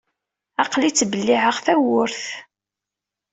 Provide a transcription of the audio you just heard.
Aql-i ttbelliɛeɣ tawwurt.